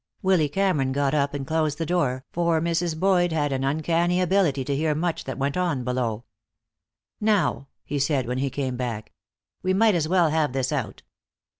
Willy Cameron got up and closed the door, for Mrs. Boyd an uncanny ability to hear much that went on below. "Now," he said when he came back, "we might as well have this out.